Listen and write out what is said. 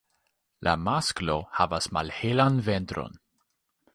La masklo havas malhelan ventron.